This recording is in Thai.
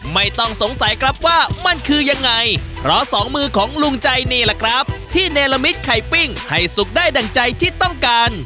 ไม่ต้องสงสัยครับว่ามันคือยังไงเพราะสองมือของลุงใจนี่แหละครับที่เนรมิตไข่ปิ้งให้สุกได้ดั่งใจที่ต้องการ